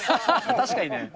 確かにね。